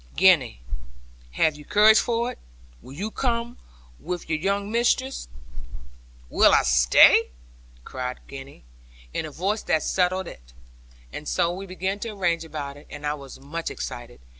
'Gwenny, have you courage for it? Will you come with your young mistress?' 'Will I stay behind?' cried Gwenny, in a voice that settled it. And so we began to arrange about it; and I was much excited.